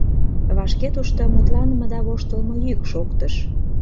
Вашке тушто мутланыме да воштылмо йӱк шоктыш.